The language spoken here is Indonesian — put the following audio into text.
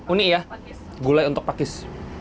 unik ya gulai untuk pakis